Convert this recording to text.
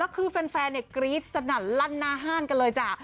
แล้วคือแฟนเน็กกรี๊ดสนันลันหน้าห้านกันเลยจ้ะ